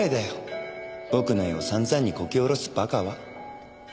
僕の絵を散々にこき下ろす馬鹿は。